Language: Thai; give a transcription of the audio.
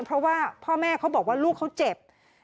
เพราะว่าพ่อแม่เขาบอกว่าลูกเขาเจ็บ